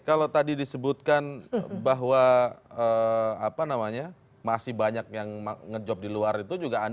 kalau tadi disebutkan bahwa masih banyak yang ngejob di luar itu